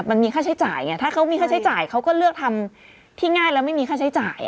มันมีค่าใช้จ่ายไงถ้าเขามีค่าใช้จ่ายเขาก็เลือกทำที่ง่ายแล้วไม่มีค่าใช้จ่าย